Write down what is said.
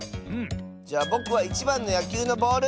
じゃぼくは１ばんのやきゅうのボール！